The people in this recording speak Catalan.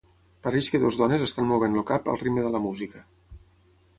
Pareix que dues dones estan movent el cap al ritme de la música.